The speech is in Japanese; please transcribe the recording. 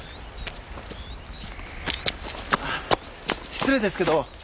失礼ですけど。